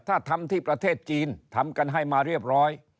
ถ้าทำที่ประเทศจีนทำกันให้มาเรียบร้อย